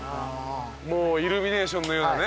もうイルミネーションのようなね。